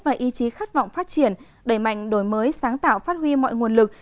và ý chí khát vọng phát triển đẩy mạnh đổi mới sáng tạo phát huy mọi nguồn lực